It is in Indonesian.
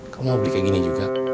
kamu mau beli kayak gini juga